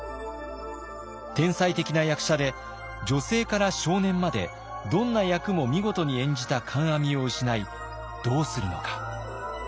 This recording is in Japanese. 天才的な役者で女性から少年までどんな役も見事に演じた観阿弥を失いどうするのか。